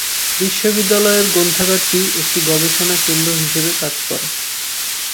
বিশ্ববিদ্যালয়ের গ্রন্থাগারটি একটি গবেষণা কেন্দ্র হিসাবে কাজ করে।